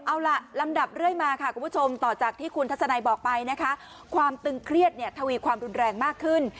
เอาล่ะลำดับเรื่อยมาค่ะคุณผู้ชมต่อจากที่คุณทัศนัยบอกไปนะคะความตึงเครียดเนี่ยทวีความรุนแรงมากขึ้น